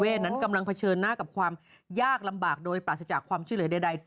นั้นกำลังเผชิญหน้ากับความยากลำบากโดยปราศจากความช่วยเหลือใด